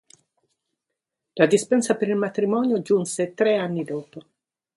La dispensa per il matrimonio giunse tre anni dopo.